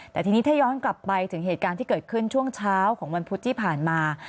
แต่ทีนี้ถ้าย้อนกลับไปถึงเหตุการณ์ที่เกิดขึ้นช่วงเช้าของวันพุธที่ผ่านมา